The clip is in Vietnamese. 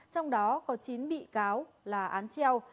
trong đó có chín bị cáo là án treo